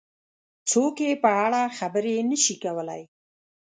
څوک یې په اړه خبرې نه شي کولای.